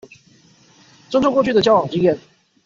尊重過去的交往經驗